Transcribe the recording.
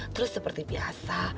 terus seperti biasa